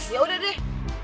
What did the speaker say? ya udah deh